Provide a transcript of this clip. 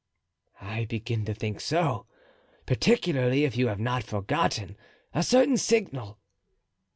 "I begin to think so, particularly if you have not forgotten a certain signal."